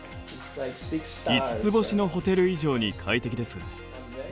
５つ星のホテル以上に快適です。